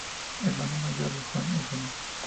Hermano mayor de Juan Eugenio.